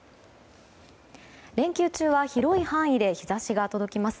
連休中は広い範囲で日差しが届きます。